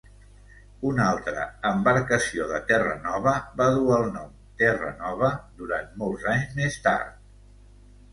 Una altra embarcació de Terranova va dur el nom "Terranova" durant molts anys més tard.